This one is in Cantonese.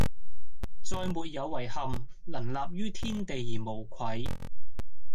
再沒有遺憾，能立於天地而無愧！